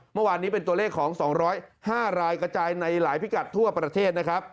เมื่อวานนี้เป็นตัวเลขของ๒๐๕รายกระจายในหลายพิกัดทั่วประเทศนะครับ